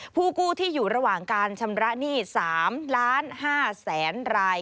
ผู้กู้ที่อยู่ระหว่างการชำระหนี้๓๕๐๐๐๐ราย